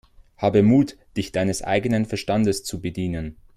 Habe Mut, dich deines eigenen Verstandes zu bedienen!